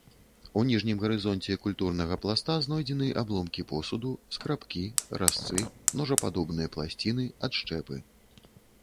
У ніжнім гарызонце культурнага пласта знойдзены абломкі посуду, скрабкі, разцы, ножападобныя пласціны, адшчэпы.